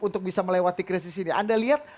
untuk bisa melewati krisis ini anda lihat